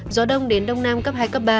gió đông đến đông nam cấp hai cấp ba